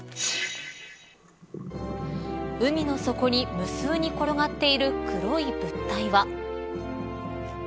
海の底に無数に転がっている黒い物体は。